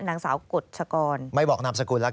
มันเกิดเหตุเป็นเหตุที่บ้านกลัว